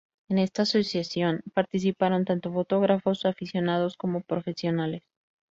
En esta asociación participaron tanto fotógrafos aficionados como profesionales.